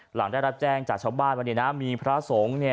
หลังได้รับแจ้งจากชาวบ้านว่ามีพระสงฆ์